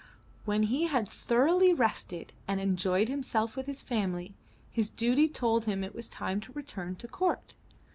When he had thoroughly rested and enjoyed him self with his family, his duty told him it was time to return to court.